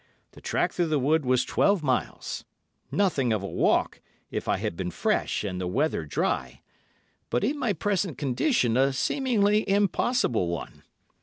The track through the wood was twelve miles—nothing of a walk if I had been fresh and the weather dry, but in my present condition a seemingly impossible one.